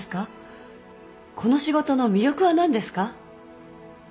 この仕事の魅力は何ですか？